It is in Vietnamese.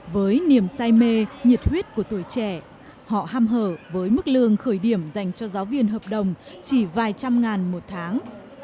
với niềm say mê nhiệt huyết của tuổi trẻ họ ham hở với mức lương khởi điểm dành cho giáo viên hợp đồng chỉ vài trăm ngàn một tháng